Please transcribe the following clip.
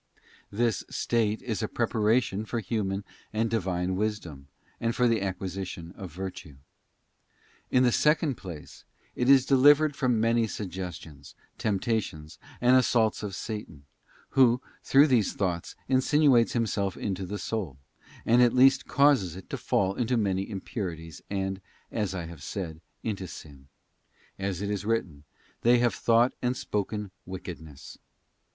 This state is a preparation for human and Divine wisdom, and for the acquisition of virtue. In the second place, it is delivered from many suggestions, 2. Vistors: temptations, and assaults of Satan, who, through these thoughts, insinuates himself into the soul, and at least causes it to fall into many impurities and, as I have said, into sin; as it is written, 'They have thought and spoken wickedness.